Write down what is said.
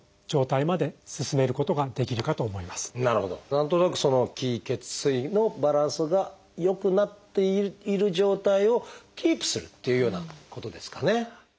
何となく「気・血・水」のバランスが良くなっている状態をキープするっていうようなことですかね。